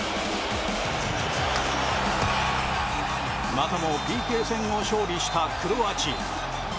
またもＰＫ戦を勝利したクロアチア。